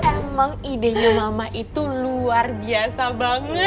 emang idenya mama itu luar biasa banget